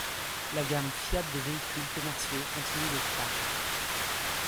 La gamme Fiat des véhicules commerciaux continue de croître.